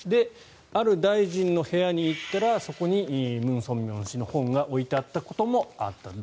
ある大臣の部屋に行ったらそこにムン・ソンミョン氏の本が置いてあったこともあったと。